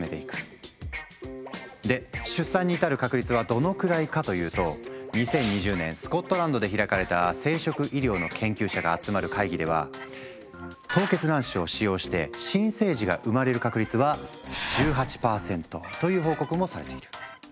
で出産に至る確率はどのくらいかというと２０２０年スコットランドで開かれた生殖医療の研究者が集まる会議では凍結卵子を使用して新生児が産まれる確率は１８％という報告もされている。